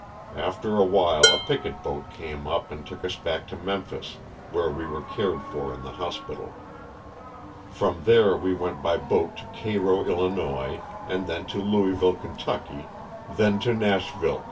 After a while a picket boat came up and took us back to Memphis where we were cared for in the hospital. From there we went by boat to Cairo, 111., and then to Louisville, Ky., then to Nashville, 358 LOSS OF THE SULTANA.